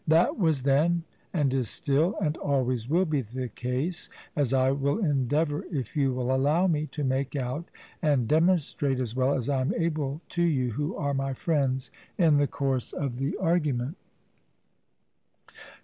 That was then, and is still, and always will be the case, as I will endeavour, if you will allow me, to make out and demonstrate as well as I am able to you who are my friends, in the course of the argument.